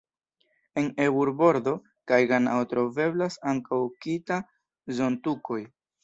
En Ebur-Bordo kaj Ganao troveblas ankaŭ "kita"-zontukoj.